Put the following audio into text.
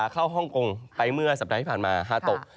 ฮ่องกงไปเมื่อสัปดาห์ที่ผ่านมาฮาโต